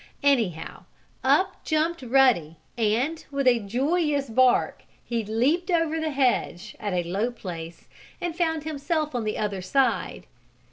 Anyhow, up jumped Ruddy, and, with a joyous bark, he leaped over the hedge, at a low place, and found himself on the other side.